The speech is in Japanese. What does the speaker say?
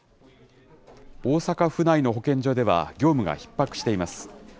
大阪府内の保健所では業務がひっ迫しています。